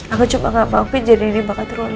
aku cuma gak maufin jadi ini bakal terolak lagi